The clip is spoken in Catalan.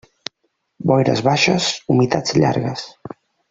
Boires baixes, humitats llargues.